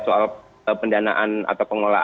soal pendanaan atau pengelolaan